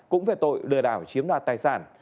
cũng về tội lừa đảo chiếm đoạt tài sản